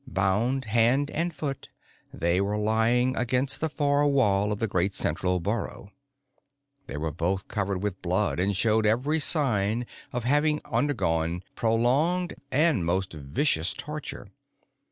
Bound hand and foot, they were lying against the far wall of the great central burrow. They were both covered with blood and showed every sign of having undergone prolonged and most vicious torture.